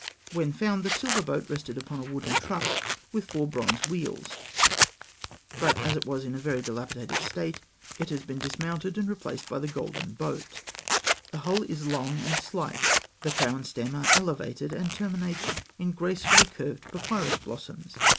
When found, the silver boat rested upon a wooden truck with four bronze wheels; but as it was in a very dilapidated state, it has been dismounted and replaced by the golden boat (fig. 307). The hull is long and slight, the prow and stem are elevated, and terminate in gracefully curved papyrus blossoms.